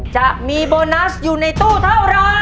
จะมีโบนัสอยู่ในตู้เท่าไร